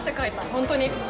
本当に。